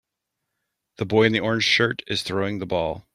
The boy in the orange shirt is throwing the ball.